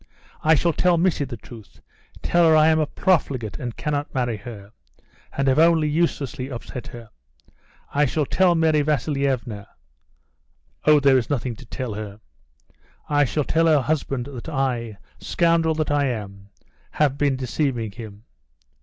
"I shall tell Missy the truth, tell her I am a profligate and cannot marry her, and have only uselessly upset her. I shall tell Mary Vasilievna. .. Oh, there is nothing to tell her. I shall tell her husband that I, scoundrel that I am, have been deceiving him.